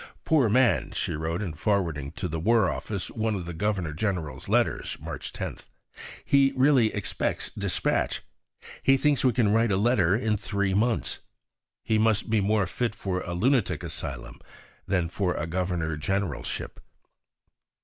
"Poor man!" she wrote in forwarding to the War Office one of the Governor General's letters (March 10); "he really expects despatch. He thinks we can write a letter in three months! He must be more fit for a Lunatic Asylum than for a Governor Generalship."